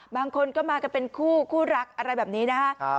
บางคนก็มากันเป็นคู่คู่รักอะไรแบบนี้นะฮะ